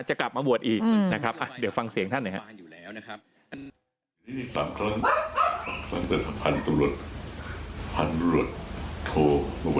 จะกลับมาบวชอีกนะครับเดี๋ยวฟังเสียงท่านหน่อยครับ